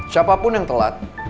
siapapun yang telat